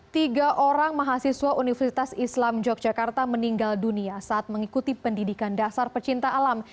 tiga orang mahasiswa universitas islam yogyakarta meninggal dunia saat mengikuti pendidikan dasar pecinta alam